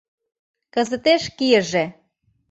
Кызытеш кийыже.